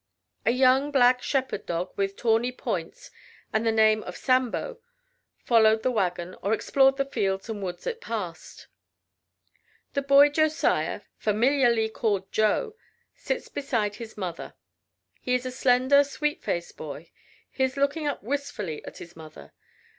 ... A young black shepherd dog with tawny points and the name of Sambo followed the wagon or explored the fields and woods it passed. The boy Josiah familiarly called Joe sits beside his mother. He is a slender, sweet faced boy. He is looking up wistfully at his mother.